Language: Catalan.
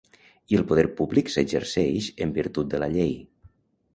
I el poder públic s’exerceix en virtut de la llei.